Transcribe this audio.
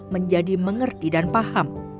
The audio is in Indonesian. menjadi mengerti dan paham